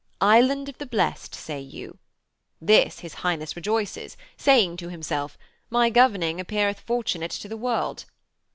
"Island of the Blest," say you. This his Highness rejoices, saying to himself: "My governing appeareth Fortunate to the World."